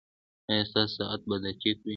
ایا ستاسو ساعت به دقیق وي؟